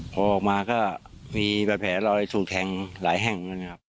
พอออกมาก็มีแผลรอยถูกแทงหลายแห่ง